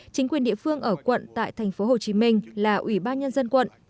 chính quyền địa phương ở quận tại tp hcm là ủy ban nhân dân quận